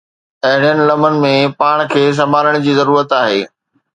اهڙين لمحن ۾ پاڻ کي سنڀالڻ جي ضرورت آهي.